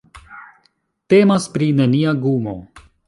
Temas pri nenia gumo.